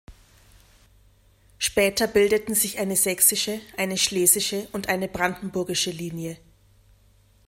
Später bildeten sich eine sächsische, eine schlesische und eine brandenburgische Linie.